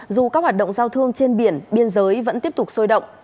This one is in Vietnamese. dù các hoạt động giao thương trên biển biên giới vẫn tiếp tục sôi động